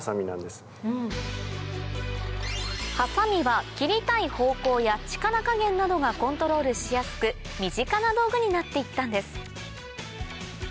ハサミは切りたい方向や力加減などがコントロールしやすく身近な道具になっていったんです